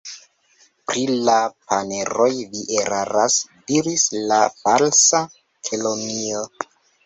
"Pri la paneroj vi eraras," diris la Falsa Kelonio.